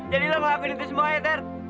jadi lo ngelakuin itu semua ya ter